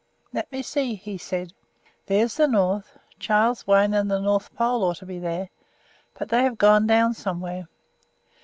"Let me see," he said; "that's the north; Charles' Wain and the North Pole ought to be there, but they have gone down somewhere.